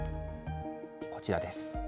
こちらです。